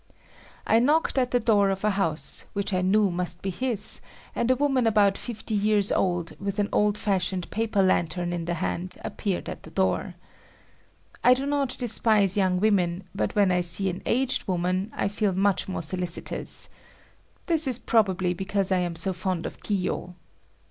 I knocked at the door of a house, which I knew must be his, and a woman about fifty years old with an old fashioned paper lantern in hand, appeared at the door. I do not despise young women, but when I see an aged woman, I feel much more solicitous. This is probably because I am so fond of Kiyo.